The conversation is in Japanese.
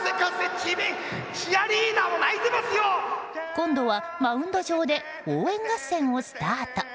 今度はマウンド上で応援合戦をスタート。